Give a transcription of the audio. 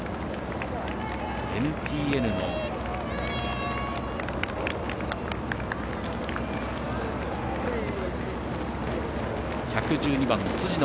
ＮＴＮの１１２番、辻野